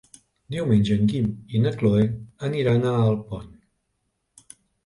Diumenge en Guim i na Cloè aniran a Alpont.